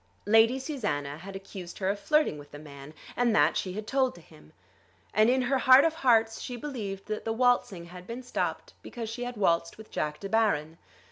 Lady Susanna had accused her of flirting with the man, and that she had told to him. And in her heart of hearts she believed that the waltzing had been stopped because she had waltzed with Jack De Baron.